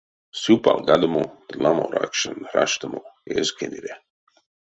Сюпалгадомо ды ламо ракшань раштамо эзь кенере.